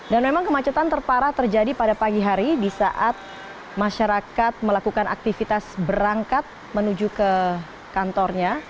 dan memang kemacetan terparah terjadi pada pagi hari di saat masyarakat melakukan aktivitas berangkat menuju ke kantornya